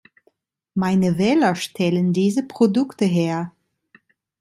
Meine Wähler stellen diese Produkte her.